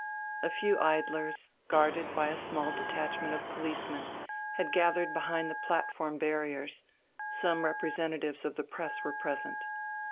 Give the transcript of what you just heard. A few idlers, guarded by a small detachment of policemen, had gathered behind the platform barriers; some representatives of the press were present.